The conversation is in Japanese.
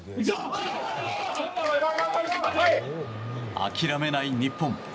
諦めない日本。